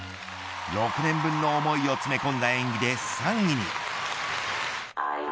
６年分の思いを詰め込んだ演技で３位に。